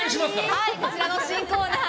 こちらの新コーナー